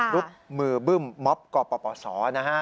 รูปมือบึ้มม็อบก่อป่าวป่าวสอนะฮะ